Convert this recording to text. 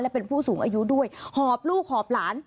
เป็นผู้สูงอายุด้วยหอบลูกหอบหลาน